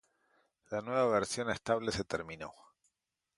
la nueva versión estable se terminó